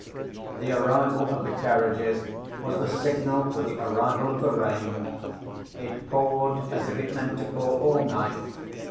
The arrival of the carriages was the signal for the arrival of the rain. It poured as if it meant to pour all night.